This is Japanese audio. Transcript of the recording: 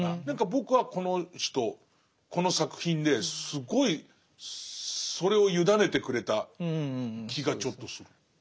何か僕はこの人この作品ですごいそれをゆだねてくれた気がちょっとする。